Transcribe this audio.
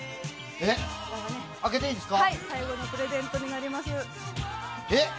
最後のプレゼントになります。